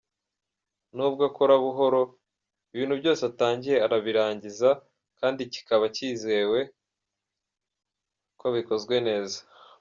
Nubwo akora buhoro, ibintu byose atangiye arabirangiza kandi kibaka byizewe ko bikozwe neza.